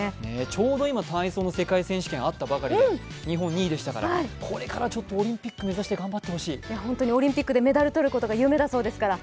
ちょうど今、体操の世界選手権があったばかりで日本２位でしたから、これからオリンピック目指してオリンピックでメダルを取ることが夢だそうですから。